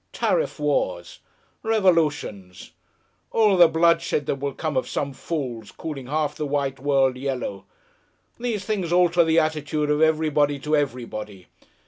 Tariff Wars. Revolutions. All the bloodshed that will come of some fools calling half the white world yellow. These things alter the attitude of everybody to everybody.